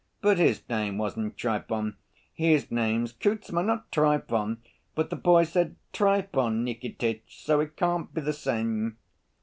"But his name wasn't Trifon. His name's Kuzma, not Trifon; but the boy said Trifon Nikititch, so it can't be the same."